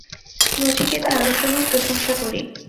নচিকেতা, আমি তোমার প্রশংসা করি।